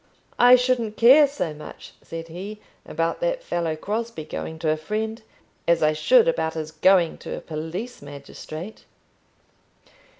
"I shouldn't care so much," said he, "about that fellow Crosbie going to a friend, as I should about his going to a police magistrate."